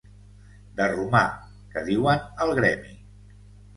De romà, que diuen al gremi.